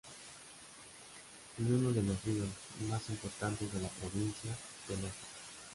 Es uno de los ríos más importantes de la Provincia de Loja.